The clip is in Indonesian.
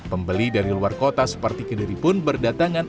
pembeli dari luar kota seperti kediri pun berdatangan